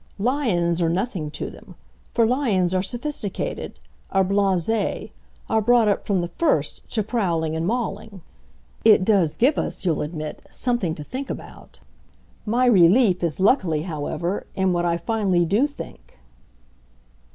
Lions are nothing to them, for lions are sophisticated, are blases, are brought up, from the first, to prowling and mauling. It does give us, you'll admit, something to think about. My relief is luckily, however, in what I finally do think."